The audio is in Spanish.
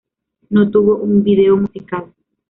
No tuvo un video musical.